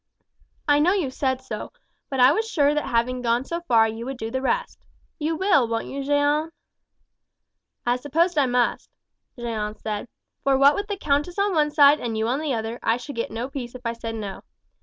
"I know you said so; but I was sure that having gone so far you would do the rest. You will, won't you, Jeanne?" "I suppose I must," Jeanne said; "for what with the countess on one side and you on the other, I should get no peace if I said no.